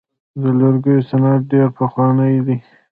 د لرګیو صنعت ډیر پخوانی دی.